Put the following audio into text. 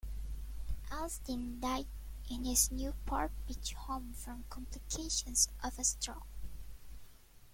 Austin died in his Newport Beach home from complications of a stroke.